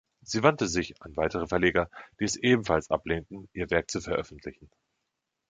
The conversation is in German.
Sie wandte sich an weitere Verleger, die es ebenfalls ablehnten, ihr Werk zu veröffentlichen.